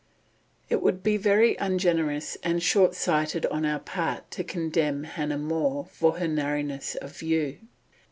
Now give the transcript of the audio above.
It would be very ungenerous and short sighted on our part to condemn Hannah More for her narrowness of view.